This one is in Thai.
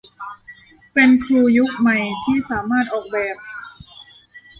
เป็นครูยุคใหม่ที่สามารถออกแบบ